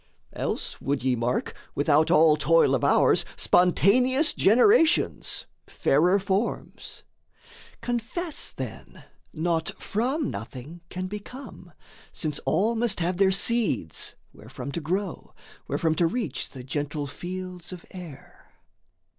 Else would ye mark, without all toil of ours, Spontaneous generations, fairer forms. Confess then, naught from nothing can become, Since all must have their seeds, wherefrom to grow, Wherefrom to reach the gentle fields of air.